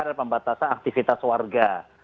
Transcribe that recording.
dan pembatasan aktivitas warga